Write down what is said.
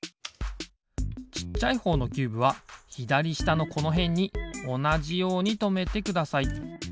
ちっちゃいほうのキューブはひだりしたのこのへんにおなじようにとめてください。